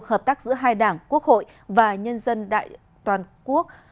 hợp tác giữa hai đảng quốc hội và nhân dân đại toàn quốc